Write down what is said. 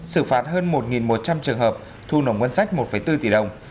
xử phát hơn một một trăm linh trường hợp thu nồng quân sách một bốn tỷ đồng